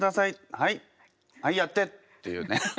はいやって」っていうね